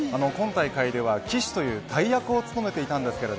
今大会では旗手という大役を務めていました。